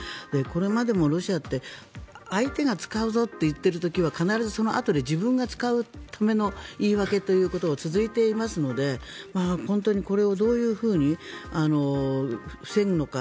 これまでもロシアって相手が使うぞと言ってる時は必ずそのあとで自分が使うための言い訳ということが続いていますので本当にこれをどういうふうに防ぐのか。